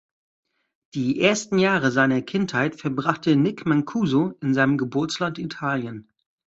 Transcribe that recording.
Die ersten Jahre seiner Kindheit verbrachte Nick Mancuso in seinem Geburtsland Italien.